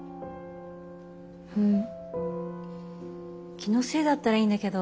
気のせいだったらいいんだけど。